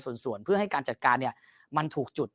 ส่วนเพื่อให้การจัดการมันถูกจุด